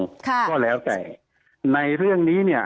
ก็แล้วแต่ในเรื่องนี้เนี่ย